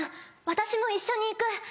私も一緒に行く。